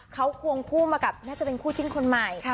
เขาควงคู่มากับน่าจะเป็นคู่จิ้นคนใหม่